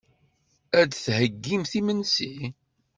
Ad d-theyyimt imensi.